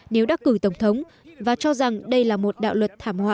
nếu đắc cử tổng thống và cho rằng đây là một đạo luật thảm họa